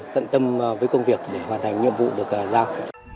tận tâm với công việc để hoàn thành nhiệm vụ được giao